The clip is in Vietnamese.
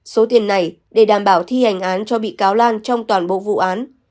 số tiền này để đảm bảo thi hành án cho bị cáo lan trong toàn bộ vụ án